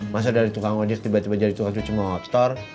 masa dari tukang ojek tiba tiba jadi tukang cuci motor